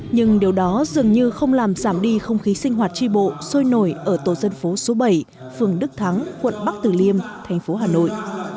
nhưng điều đó dường như không làm giảm đi không khí sinh hoạt tri bộ sôi nổi ở tổ dân phố số bảy phường đức thắng quận bắc tử liêm thành phố hà nội